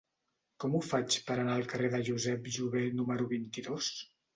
Com ho faig per anar al carrer de Josep Jover número vint-i-dos?